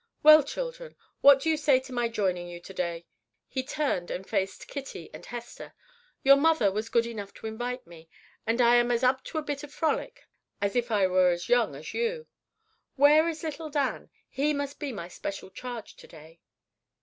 "Well, children, what do you say to my joining you to day?" He turned and faced Kitty and Hester. "Your mother was good enough to invite me, and I am as up to a bit of frolic as if I were as young as you. Where is little Dan? He must be my special charge to day."